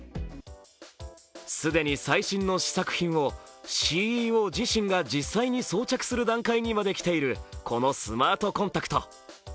既に最新の試作品をＣＥＯ自身が実際に装着する段階にまできているこのスマートコンタクト。